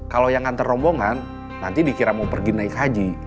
kalau yang ngantar rombongan nanti dikira mau pergi naik haji